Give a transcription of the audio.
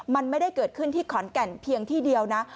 มันไม่ได้เกิดขึ้นที่ขอนแก่นเพียงที่เดียวนะ